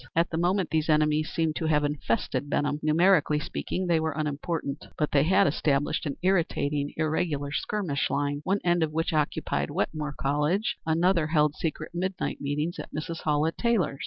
At the moment these enemies seemed to have infested Benham. Numerically speaking, they were unimportant, but they had established an irritating, irregular skirmish line, one end of which occupied Wetmore College, another held secret midnight meetings at Mrs. Hallett Taylor's.